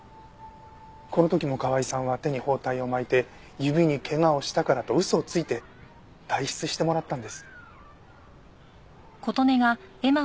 この時も川井さんは手に包帯を巻いて指に怪我をしたからと嘘をついて代筆してもらったんです。